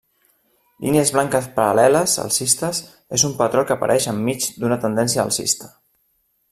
Línies blanques paral·leles alcistes és un patró que apareix enmig d'una tendència alcista.